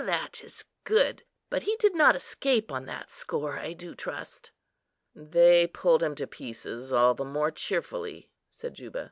that is good! but he did not escape on that score, I do trust." "They pulled him to pieces all the more cheerfully," said Juba.